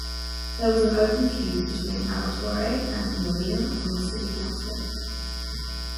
There was an open feud between Alatorre and Molina on the city council.